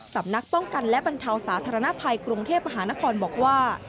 สำนักป้องกันและบรรเทาสาธารณภัยกรุงเทพมหานครบอกว่า